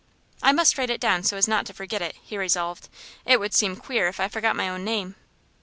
"I must write it down so as not to forget it," he resolved. "It would seem queer if I forgot my own name."